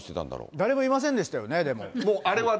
誰もいませんでしたよね、でも。